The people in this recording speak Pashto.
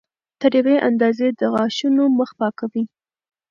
تر یوې اندازې د غاښونو مخ پاکوي.